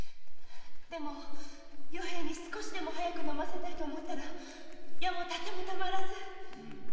でも与平に少しでも早く服ませたいと思ったら矢も盾もたまらず。